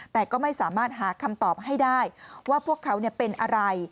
แต่ก็ไม่สามารถหาคำตอบให้ได้ว่าพวกเขาเป็นอะไร